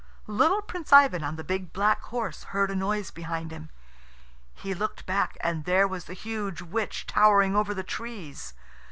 Little Prince Ivan, on the big black horse, heard a noise behind him. He looked back, and there was the huge witch, towering over the trees.